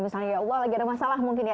misalnya ya allah lagi ada masalah mungkin ya